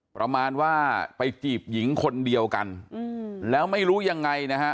ประมาณว่าไปจีบหญิงคนเดียวกันแล้วไม่รู้ยังไงนะฮะ